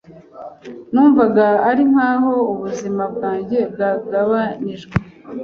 Numvaga ari nk'aho ubuzima bwanjye bwagabanijwe.